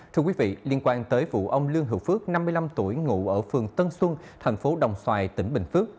thưa quý vị liên quan tới vụ ông lương hữu phước năm mươi năm tuổi ngụ ở phường tân xuân thành phố đồng xoài tỉnh bình phước